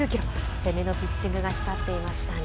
攻めのピッチングが光っていましたね。